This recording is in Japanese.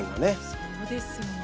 そうですよね。